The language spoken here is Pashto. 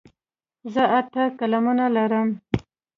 زه اته قلمونه لرم.